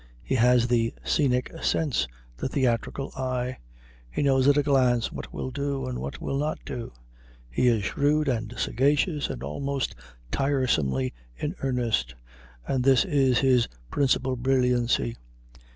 He has the scenic sense the theatrical eye. He knows at a glance what will do, and what will not do. He is shrewd and sagacious and almost tiresomely in earnest, and this is his principal brilliancy.